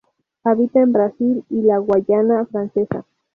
Habita en Brasil y la Guayana francesa.